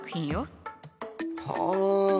はあ。